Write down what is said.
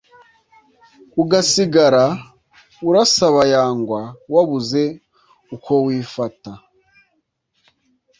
ugasigara usabayangwa wabuze uko wifata